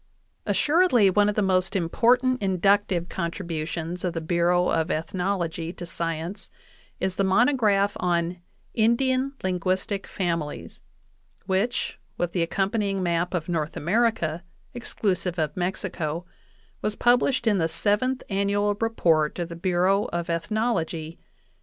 Assuredly, one of the most important inductive contribu tions of the Bureau of Ethnology to science is the monograph on "Indian linguistic families," which, with the accompanying map of North America, exclusive of Mexico, was published in the Seventh Annual Report of the Bureau of Ethnology (1891).